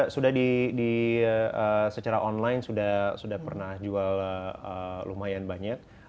sudah secara online sudah pernah jual lumayan banyak